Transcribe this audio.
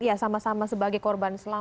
melihat ya sama sama sebagai korban selama